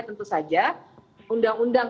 tentu saja undang undang